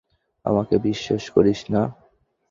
আমাকে বিশ্বাস করিস না?